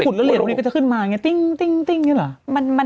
ขุดแล้วเหรียญวันนี้ก็จะขึ้นมาติ้งติ้งติ้งอย่างเงี้ยเหรอ